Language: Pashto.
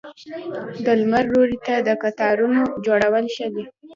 د لمر لوري ته د قطارونو جوړول ښه دي؟